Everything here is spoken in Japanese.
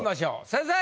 先生！